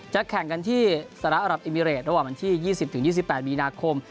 แข่งกันที่สหรัฐอรับอิมิเรตระหว่างวันที่๒๐๒๘มีนาคม